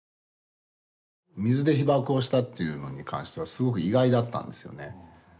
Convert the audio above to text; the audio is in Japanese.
水で被ばくをしたっていうのに関してはすごく意外だったんですよね。